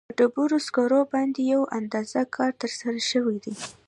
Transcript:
په ډبرو سکرو باندې یو اندازه کار ترسره شوی دی.